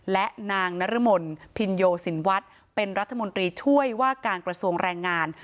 และนางนรมนพินโยสินวัฒน์เป็นรัฐมนตรีช่วยว่าการกระทรวงแรงงาน